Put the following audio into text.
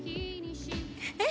えっ？